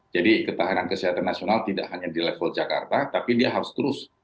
jadi ketahanan kesehatan nasional tidak hanya di level jakarta tapi dia harus terus